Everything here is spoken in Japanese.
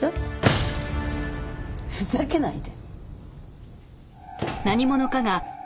ふざけないで。